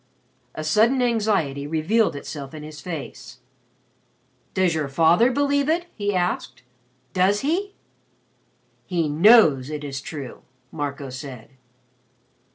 A sudden anxiety revealed itself in his face. "Does your father believe it?" he asked. "Does he?" "He knows it is true," Marco said.